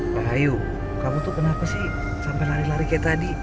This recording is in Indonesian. pak ayu kamu tuh kenapa sih sampai lari lari kayak tadi